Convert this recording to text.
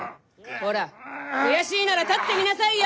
ほら悔しいなら立ってみなさいよ！